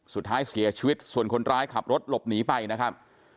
สุดท้ายเสียชีวิตส่วนคนร้ายขับรถหลบหนีไปนะครับ